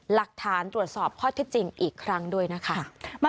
หลักฐานตรวจสอบข้อที่จริงอีกครั้งด้วยนะคะ